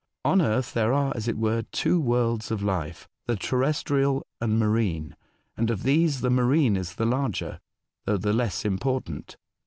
On Earth there are, as it were, two worlds of life — the terrestrial and marine ; and of these the marine is the larger, though the less important.